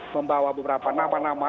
membawa beberapa nama nama